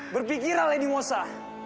berpikirlah lady mossa